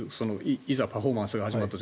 いざパフォーマンスが始まった時。